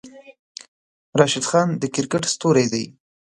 راشد خان د کرکیټ ستوری دی.